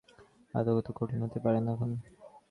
এটা এত কঠিন হতে পারে না -এখন?